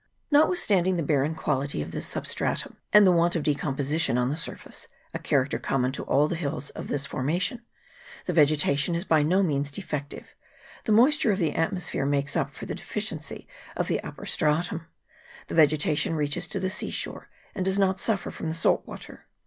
Notwithstanding the barren quality of this sub stratum, and the want of decomposition on the sur 58 TORY CHANNEL. [PART I. face, a character common to all the hills of this formation, the vegetation is by no means defective : the moisture of the atmosphere makes up for the deficiency of the upper stratum. The vegetation reaches to the sea shore, and does not suffer from the salt water.